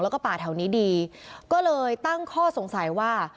แล้วก็ป่าแถวนี้ดีก็เลยตั้งข้อสงสัยว่า